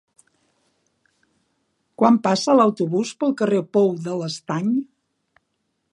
Quan passa l'autobús pel carrer Pou de l'Estany?